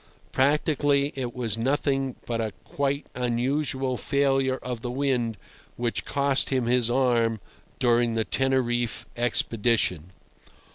Practically it was nothing but a quite unusual failure of the wind which cost him his arm during the Teneriffe expedition.